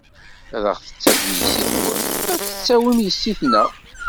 Ad ɣ-d-tettakem yessi-twen, ad tettawin yessi-tneɣ.